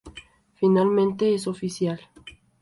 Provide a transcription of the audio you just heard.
Finalmente, ¡es oficial!